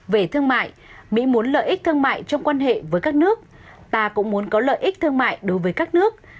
về thương mại mỹ muốn lợi ích thương mại trong quan hệ với các nước ta cũng muốn có lợi ích thương mại đối với các nước